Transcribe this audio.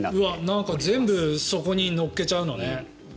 全部そこに乗っけちゃうのね。